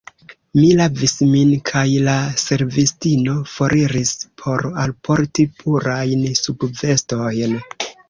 Mi lavis min kaj la servistino foriris por alporti purajn subvestojn.